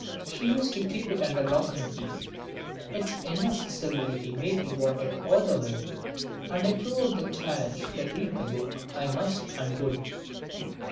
She used to keep it under lock and key. Its inaccessibility made me want it all the more and I threw out the challenge that read the book I must and would.